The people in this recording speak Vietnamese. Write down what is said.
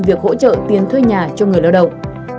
việc hỗ trợ tiền thuê nhà cho người lao động